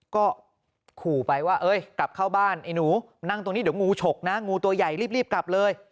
ก็ขู่ไปว่าเอ้ยกลับเข้าบ้านไอ้หนูนั่งตรงนี้เดี๋ยวงูฉกนะงูตัวใหญ่รีบกลับเลย